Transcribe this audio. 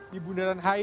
di bundaran hi